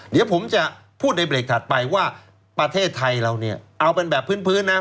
เดี๋ยวผมจะพูดในเบรกถัดไปว่าประเทศไทยเราเนี่ยเอาเป็นแบบพื้นนะ